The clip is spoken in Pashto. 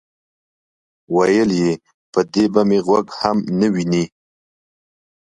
ویل یې: په دې به مې غوږ هم نه وینئ.